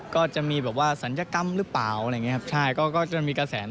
ก็จะมีแบบว่าศัลยกรรมหรือเปล่าใช่ก็จะมีกระแส